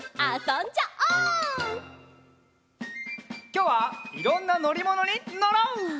きょうはいろんなのりものにのろう！